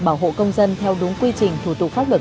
bảo hộ công dân theo đúng quy trình thủ tục pháp luật